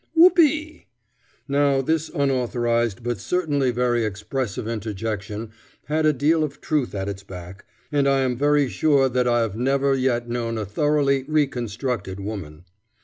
Whoop ee!" Now this unauthorized but certainly very expressive interjection had a deal of truth at its back, and I am very sure that I have never yet known a thoroughly "reconstructed" woman.